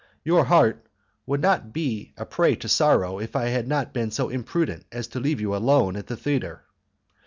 Your heart would not now be a prey to sorrow if I had not been so imprudent as to leave you alone at the theatre."